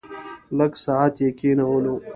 لږ ساعت یې کېنولو.